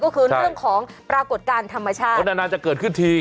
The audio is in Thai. ก็คือเรื่องของปรากฏการณ์ธรรมชาติโอ้นานน่าจะเกิดขึ้นที